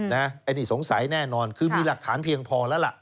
อันนี้สงสัยแน่นอนคือมีหลักฐานเพียงพอแล้วล่ะ